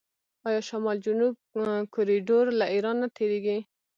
آیا شمال جنوب کوریډور له ایران نه تیریږي؟